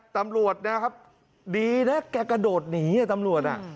ตำรวจนะครับดีนะแกกระโดดหนีตำรวจ